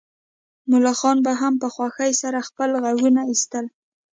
ملخانو به هم په خوښۍ سره خپل غږونه ایستل